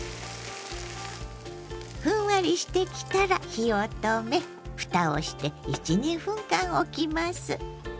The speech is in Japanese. ふんわりしてきたら火を止めふたをして１２分間おきます。